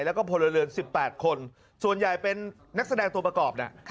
แล้วก็พลเรือน๑๘คนส่วนใหญ่เป็นนักแสดงตัวประกอบน่ะ